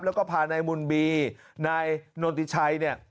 แล้วก็พานายบุญบีนายนนติชัยเนี่ย